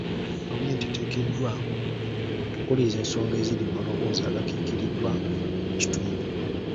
Gavumenti eteekeddwa okuwuliriza ensonga eziri mu maloboozi agakiikiriddwa mu kitundu.